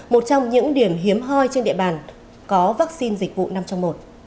một trong những điểm hiếm hoi trên địa bàn có vaccine dịch vụ năm trong một